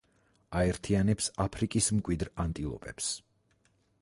აერთიანებს აფრიკის მკვიდრ ანტილოპებს.